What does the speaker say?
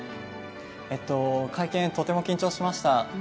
会見、とても緊張しました。